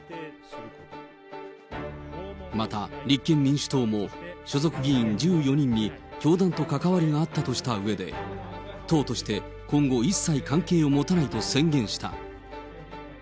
また、立憲民主党も、所属議員１４人に教団と関わりがあったとしたうえで、党として、今後、一切関係を持たないと宣言した。